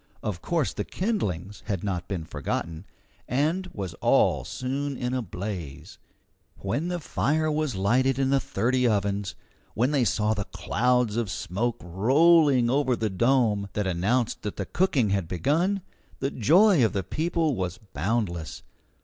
Of course the kindlings had not been forgotten, and was all soon in a blaze. When the fire was lighted in the thirty ovens, when they saw the clouds of smoke rolling above the dome, that announced that the cooking had begun, the joy of the people was boundless.